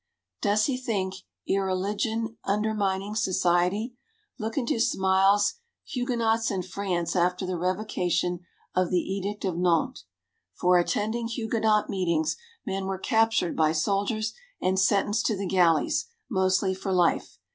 Does he think irreligion undermining society? Look into Smiles's "Huguenots in France after the Revocation of the Edict of Nantes." For attending Huguenot meetings men were captured by soldiers and sentenced to the galleys, mostly for life.